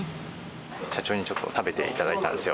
社長にちょっと食べていただいたんですよ。